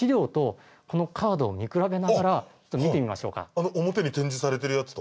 あの表に展示されてるやつと？